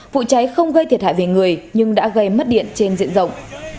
vụ cháy không gây thiệt hại về người nhưng đã gây mất điện trên diện rộng